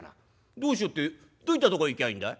「『どうしよう？』ってどういったとこ行きゃいいんだい？」。